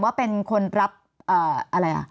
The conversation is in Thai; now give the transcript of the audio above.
ว่าเป็นคนรับอะไรอ่ะ